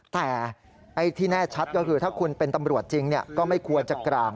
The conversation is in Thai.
แต่ที่แน่ชัดก็คือถ้าคุณเป็นตำรวจจริงก็ไม่ควรจะกลาง